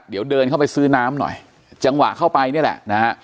เดี๋ยวเดินเข้าไปซื้อน้ำหน่อยจังหวะเข้าไปนี่แหละนะฮะ